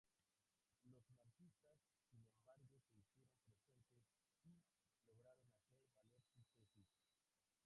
Los anarquistas, sin embargo, se hicieron presentes y lograron hacer valer sus tesis.